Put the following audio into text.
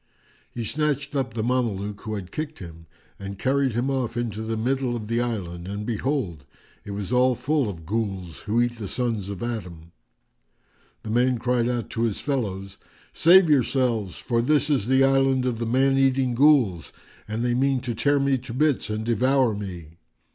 [FN#402] He snatched up the Mameluke who had kicked him and carried him off into the middle of the island, and behold, it was all full of Ghuls who eat the sons of Adam. The man cried out to his fellows, "Save yourselves, for this is the island of the man eating Ghuls, and they mean to tear me to bits and devour me."